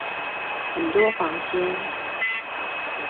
很多房間